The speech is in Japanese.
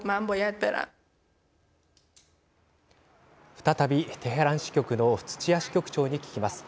再びテヘラン支局の土屋支局長に聞きます。